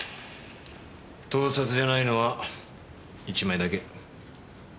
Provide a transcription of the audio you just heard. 盗撮じゃないのは１枚だけ。